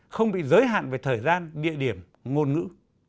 không bị giới hạn về thời gian địa điểm ngôn ngữ